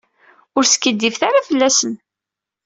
Ur skiddibet ara fell-asen.